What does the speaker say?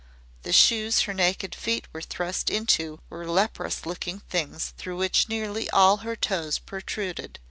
The shoes her naked feet were thrust into were leprous looking things through which nearly all her toes protruded.